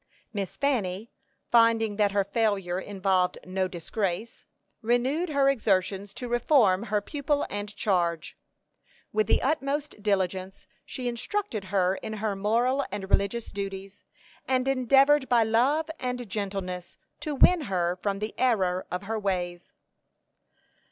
Miss Fanny, finding that her failure involved no disgrace, renewed her exertions to reform her pupil and charge. With the utmost diligence she instructed her in her moral and religious duties, and endeavored by love and gentleness to win her from the error of her ways.